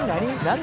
何？